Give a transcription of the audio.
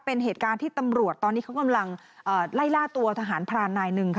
เป็นเหตุการณ์ที่ตำรวจตอนนี้เขากำลังไล่ล่าตัวทหารพรานนายหนึ่งค่ะ